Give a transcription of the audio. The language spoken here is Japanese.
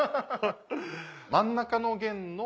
真ん中の弦の。